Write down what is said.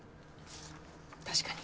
確かに。